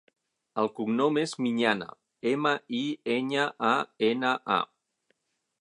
El cognom és Miñana: ema, i, enya, a, ena, a.